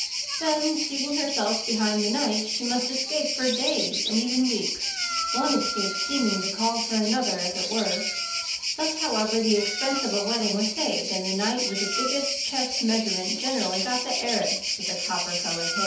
Then, seating herself behind the knight, she must escape for days, and even weeks, one escape seeming to call for another, as it were. Thus, however, the expense of a wedding was saved, and the knight with the biggest chest measurement generally got the heiress with the copper colored hair.